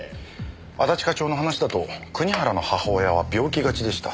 安達課長の話だと国原の母親は病気がちでした。